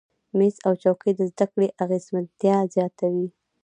میز او چوکۍ د زده کړې اغیزمنتیا زیاتوي.